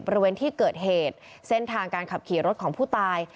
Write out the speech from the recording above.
บริเวณที่เกิดเหตุเส้นทางการขับขี่รถของผู้ตาย